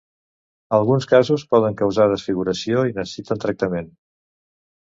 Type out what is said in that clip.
Alguns casos poden causar desfiguració i necessiten tractament.